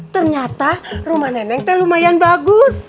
ternyata rumah nenek saya lumayan bagus